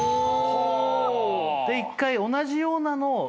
１回同じようなのを。